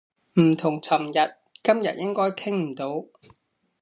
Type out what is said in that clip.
唔同尋日，今日應該傾唔到